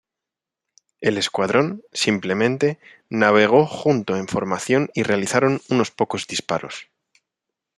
El escuadrón, simplemente, navegó junto en formación y realizaron unos pocos disparos.